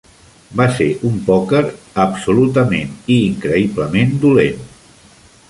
Va ser un pòquer absolutament i increïblement dolent.